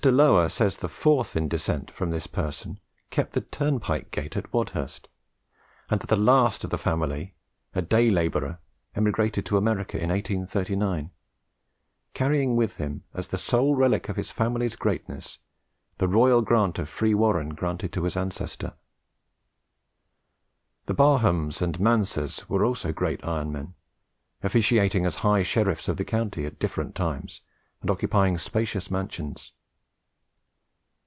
Lower says the fourth in descent from this person kept the turnpike gate at Wadhurst, and that the last of the family, a day labourer, emigrated to America in 1839, carrying with him, as the sole relic of his family greatness, the royal grant of free warren given to his ancestor. The Barhams and Mansers were also great iron men, officiating as high sheriffs of the county at different times, and occupying spacious mansions.